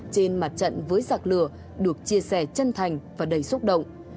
trên mặt trận với giặc lửa được chia sẻ chân thành và đầy xúc động